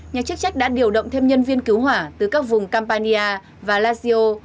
nhà chức trách đã điều động thêm nhân viên cứu hỏa từ các vùng campania và lazio